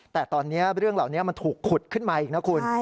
แต่ตอนนี้เรื่องเหล่านี้มันถูกขุดขึ้นมาอีกนะคุณ